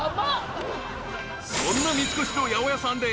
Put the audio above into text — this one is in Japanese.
［そんな三越の八百屋さんで］